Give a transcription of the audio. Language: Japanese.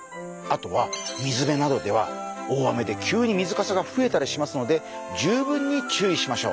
あとは水辺などでは大雨で急に水かさが増えたりしますので十分に注意しましょう。